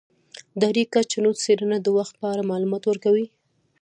د اریکا چنووت څیړنه د وخت په اړه معلومات ورکوي.